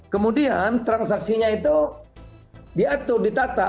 kemudian transaksinya itu diatur ditata